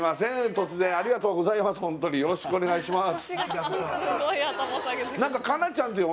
突然ありがとうございます